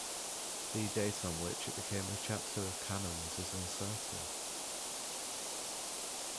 The date on which it became a chapter of canons is uncertain.